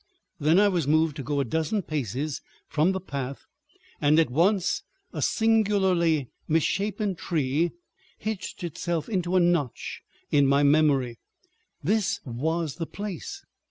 Then I was moved to go a dozen paces from the path, and at once a singularly misshapen tree hitched itself into a notch in my memory. This was the place!